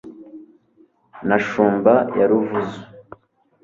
Na Shumba* ya Ruvuzo*,